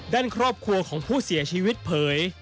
ด้านครอบครัวของผู้เสียชีวิตเผย